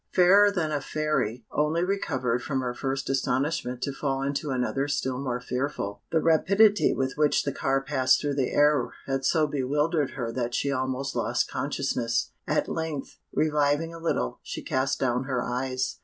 Fairer than a Fairy only recovered from her first astonishment to fall into another still more fearful; the rapidity with which the car passed through the air had so bewildered her that she almost lost consciousness; at length, reviving a little, she cast down her eyes.